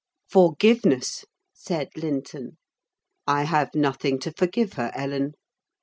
"Forgiveness!" said Linton. "I have nothing to forgive her, Ellen.